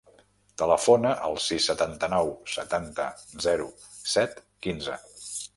Telefona al sis, setanta-nou, setanta, zero, set, quinze.